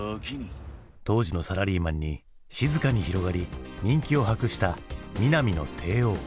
当時のサラリーマンに静かに広がり人気を博した「ミナミの帝王」。